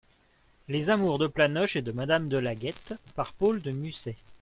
Les Amours de Planoche et de Madame de Laguette, par Paul de Musset.